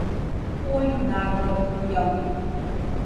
Olho d'Água do Piauí